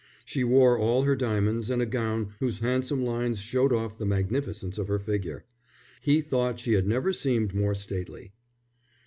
She wore all her diamonds and a gown whose handsome lines showed off the magnificence of her figure. He thought she had never seemed more stately.